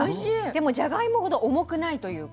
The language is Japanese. でもじゃがいもほど重くないというか。